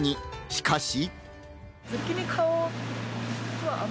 しかし。